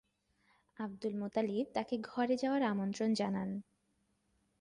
আবদুল মুত্তালিব তাঁকে ঘরে যাওয়ার আমন্ত্রণ জানান।